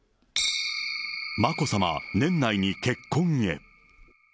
眞子さま年内に結婚へ。